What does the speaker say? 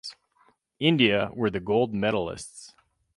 India were the Gold medalists.